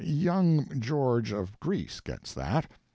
Young George of Greece gets that.